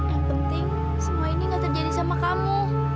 yang penting semua ini gak terjadi sama kamu